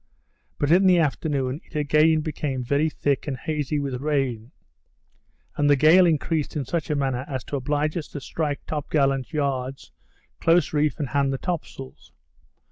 But in the afternoon, it again became very thick and hazy with rain; and the gale increased in such a manner as to oblige us to strike top gallant yards, close reef and hand the top sails.